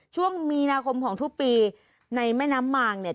ช่วงมีนาคมของทุกปีในแม่น้ำมางเนี่ย